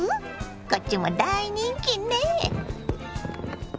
こっちも大人気ね。